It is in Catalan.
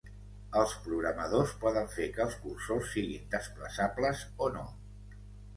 Els programadors poden fer que els cursors siguin desplaçables o no.